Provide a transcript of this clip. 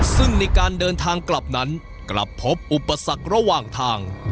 ซึ่งในการเดินทางกลับนั้นกลับพบอุปสรรคระหว่างทาง